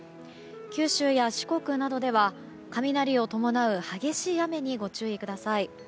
九州や四国などでは雷を伴う激しい雨にご注意ください。